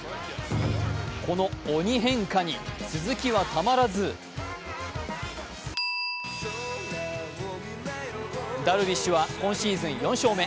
この鬼変化に鈴木はたまらずダルビッシュは今シーズン４勝目。